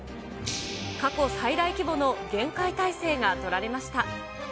過去最大規模の厳戒態勢が取られました。